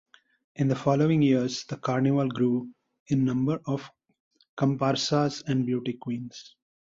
In the following years the carnival grew in number of comparsas and beauty queens.